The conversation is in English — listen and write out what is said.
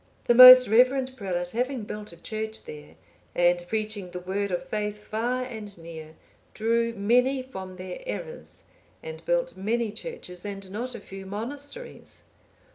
(838) The most reverend prelate having built a church there,(839) and preaching the Word of faith far and near, drew many from their errors, and built many churches and not a few monasteries.